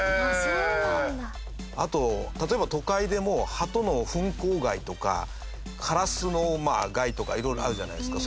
あと、例えば、都会でもハトのフン公害とかカラスの害とかいろいろあるじゃないですか。